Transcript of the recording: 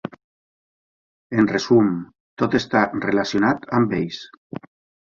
En resum, tot està relacionat amb ells!